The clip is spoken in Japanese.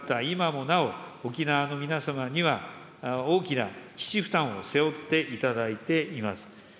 今もなお、沖縄の皆様には大きな基地負担を背負っていただいています。